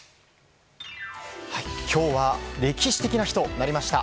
今日は歴史的な日となりました。